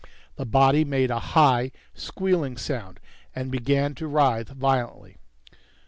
The body made a high, squealing sound and began to writhe violently.